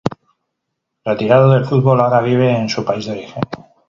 Retirado del fútbol, ahora vive en su país de origen.